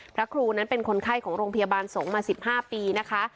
พระครูนั้นเป็นคนไข้ของโรงพยาบาลสงฆ์มา๑๕ปีนะคะ